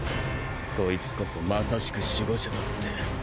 こいつこそ正しく守護者だって。